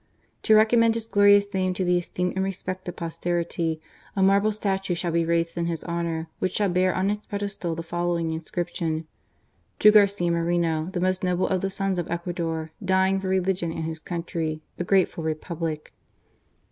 To recommend his glortoQS name to the esteem and respect of pos terity, a marble statue shall be raised in his honour, which shall bear on its pedestal the following inscription : To Garcia Moreno, the most noble of the sons of Ecuador, dying for religion and his country, a grateful R^blic.